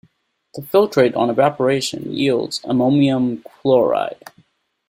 The filtrate on evaporation yields ammonium chloride.